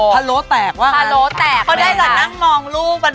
พะโล้แตกว่างั้น